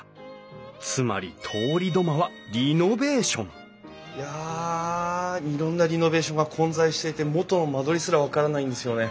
つまり通り土間はリノベーションいやいろんなリノベーションが混在していて元の間取りすら分からないんですよね。